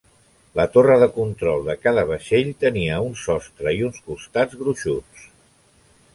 La torre de control de cada vaixell tenia un sostre i uns costats gruixuts.